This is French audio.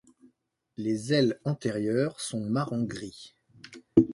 Les ailes antérieures sont marron-gris.